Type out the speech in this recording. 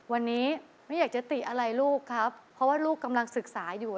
วันนี้ไม่อยากจะติอะไรลูกครับเพราะว่าลูกกำลังศึกษาอยู่